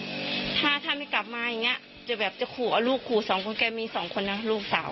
จะแบบจะขู่ลูกขู่๒คนแก่มี๒คนนะลูกสาว